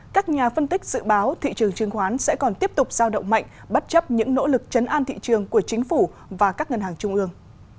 các nhà phân tích dự báo thị trường chứng khoán sẽ còn tiếp tục giao động mạnh bất chấp những nỗ lực chấn an thị trường của chính phủ và các ngân hàng trung ương